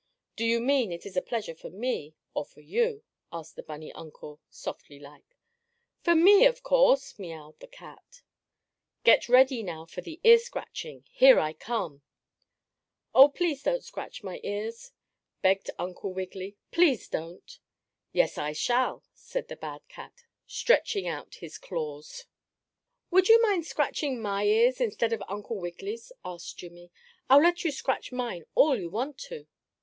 "Do you mean it is a pleasure for me, or for you?" asked the bunny uncle, softly like. "For me, of course!" meaouwed the cat. "Get ready now for the ear scratching! Here I come!" "Oh, please don't scratch my ears!" begged Uncle Wiggily. "Please don't!" "Yes, I shall!" said the bad cat, stretching out his claws. "Would you mind scratching my ears, instead of Uncle Wiggily's?" asked Jimmie. "I'll let you scratch mine all you want to."